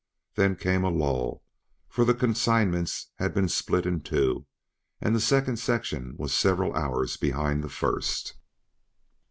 Then came a lull, for the consignment had been split in two and the second section was several hours behind the first.